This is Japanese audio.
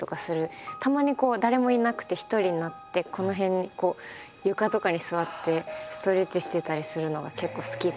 たまに誰もいなくて一人になってこの辺床とかに座ってストレッチしてたりするのが結構好きで。